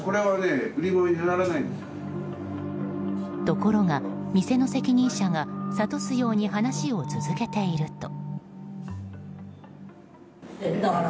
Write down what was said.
ところが、店の責任者が諭すように話を続けていると。